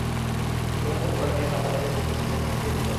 তরমুজ ঘরে নিয়ে ঠান্ডা করে কেটে সঙ্গে সঙ্গে খেয়ে ফেলতে হবে।